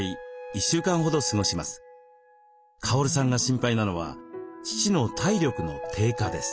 カオルさんが心配なのは父の体力の低下です。